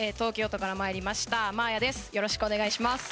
よろしくお願いします。